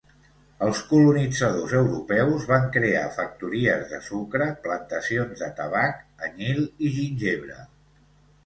Els colonitzadors europeus van crear factories de sucre, plantacions de tabac, anyil i gingebre.